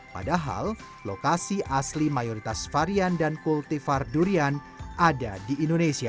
padahal lokasi asli mayoritas varian dan kultifar durian ada di indonesia